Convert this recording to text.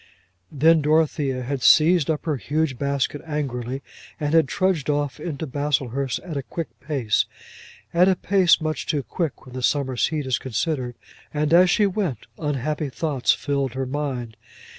Then Dorothea had seized up her huge basket angrily, and had trudged off into Baslehurst at a quick pace, at a pace much too quick when the summer's heat is considered; and as she went, unhappy thoughts filled her mind.